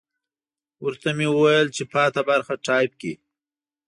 ورته مې وویل چې پاته برخه ټایپ کړي.